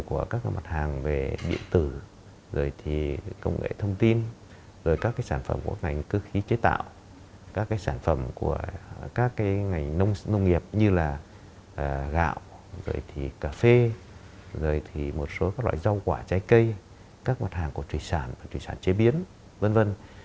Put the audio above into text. các cái mặt hàng về điện tử rồi thì công nghệ thông tin rồi các cái sản phẩm của ngành cơ khí chế tạo các cái sản phẩm của các cái ngành nông nghiệp như là gạo rồi thì cà phê rồi thì một số các loại rau quả trái cây các mặt hàng của truy sản truy sản chế biến v v